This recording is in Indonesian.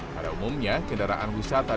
pada umumnya kendaraan wistelang